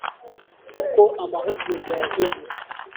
uko amahugurwa yagenze”